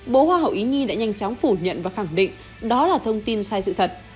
bộ hoa hậu ý nhi đã nhanh chóng phủ nhận và khẳng định đó là thông tin sai sự thật